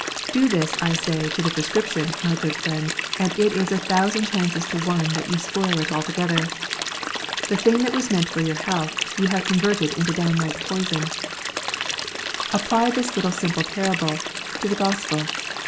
Do this, I say, to the prescription, my good friend, and it is a thousand chances to one that you spoil it altogether. The thing that was meant for your health, you have converted into downright poison. B 1 8 KNOTS UNTIED. Apply this little simple parable to the Gospel.